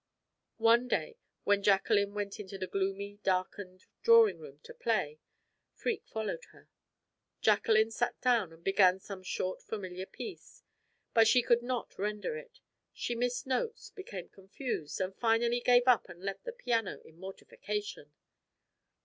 One day, when Jacqueline went into the gloomy, darkened drawing room to play, Freke followed her. Jacqueline sat down, and began some short familiar piece, but she could not render it. She missed notes, became confused, and finally gave up and left the piano in mortification.